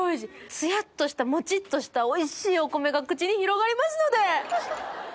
ツヤっとしたもちっとしたおいしいお米が口に広がりますので！